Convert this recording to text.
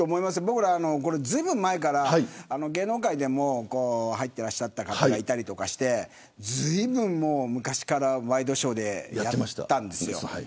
僕ら、ずいぶん前から芸能界でも入っていらっしゃった方がいたりとかして昔からワイドショーでやったんですよ。